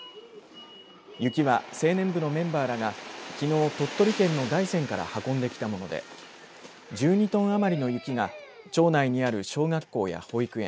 雪は青年部のメンバーらがきのう鳥取県の大山から運んできたもので１２トンあまりの雪が町内にある小学校や保育園